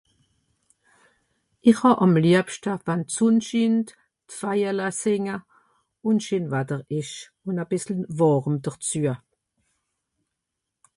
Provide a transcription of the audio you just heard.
ìr hàb àm liebschta wann d'Sonn schient d'Vajala sìnge ùn scheen Watter esch ùn à bìssel wàrm derzüa